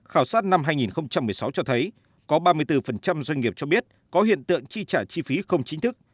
khảo sát năm hai nghìn một mươi sáu cho thấy có ba mươi bốn doanh nghiệp cho biết có hiện tượng chi trả chi phí không chính thức